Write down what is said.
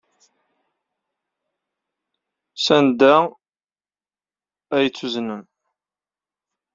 Sanda ay tt-uznen?